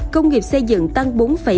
công nghiệp xây dựng tăng bốn bảy mươi bảy